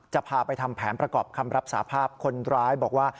จะพาไปทำแผนประกอบคำรับสาภาพคนร้ายบอกว่า